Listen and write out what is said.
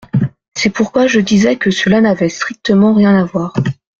C’est pourquoi je disais que cela n’avait strictement rien à voir.